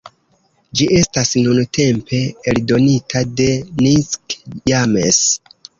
Ĝi estas nuntempe eldonita de Nick James.